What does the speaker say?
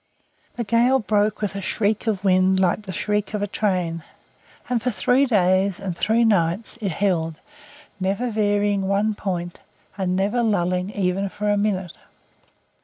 The gale broke with a shriek of wind like the shriek of a train, and for three days and three nights it held, never varying one point, and never lulling even for a minute.